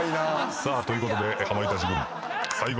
さあということで。